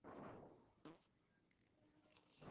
Su trazado es ahora una vía verde.